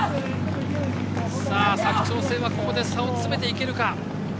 佐久長聖は差を詰めていけるか。